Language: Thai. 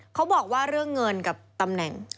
เขาบอกว่าเรื่องเงินกับตำแหน่ง